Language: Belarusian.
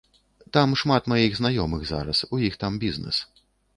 Там шмат маіх знаёмых зараз, у іх там бізнэс.